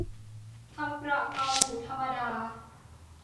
ทำกระเพราหมูธรรมดา